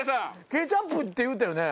ケチャップって言うたよね？